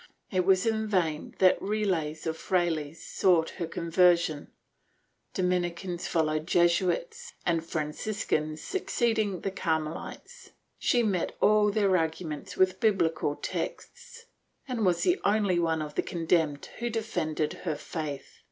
It was in vain that relays of frailes sought her conversion — Dominicans following Jesuits and Franciscans succeeding to Carmelites. She met all their arguments with biblical texts, and was the only one of the condemned who defended her faith.